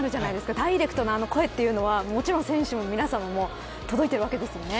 ダイレクトな声というのは選手の皆さんにも届いているわけですよね。